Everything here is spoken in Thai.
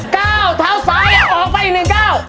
ก้าวเท้าซ้ายออกไปอีกหนึ่งก้าว